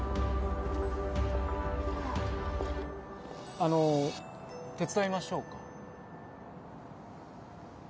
あの手伝いましょうか？